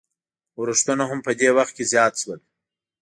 اورښتونه هم په دې وخت کې زیات شول.